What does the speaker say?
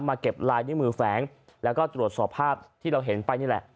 เก็บลายนิ้วมือแฝงแล้วก็ตรวจสอบภาพที่เราเห็นไปนี่แหละ